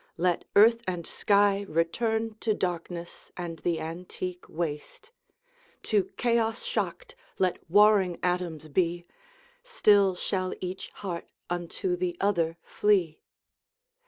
Let earth and sky Return to darkness, and the antique waste To chaos shocked, let warring atoms be, Still shall each heart unto the other flee!